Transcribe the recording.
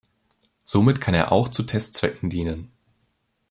Somit kann er auch zu Testzwecken dienen.